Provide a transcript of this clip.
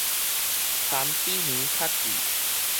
田比園較貴